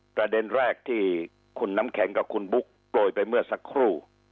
ประเด็นแรกที่คุณน้ำแข็งกับคุณบุ๊คโปรยไปเมื่อสักครู่